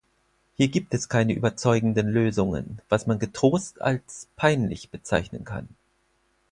Hier gibt es keine überzeugenden Lösungen, was man getrost als peinlich bezeichnen kann.